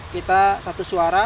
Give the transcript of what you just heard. kita satu suara